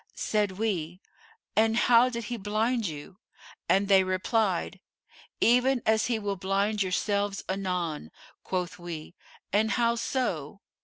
Said we, 'And how did he blind you?' and they replied, 'Even as he will blind yourselves anon.' Quoth we, 'And how so?